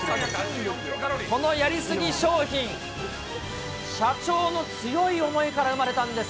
このやりすぎ商品、社長の強い思いから生まれたんです。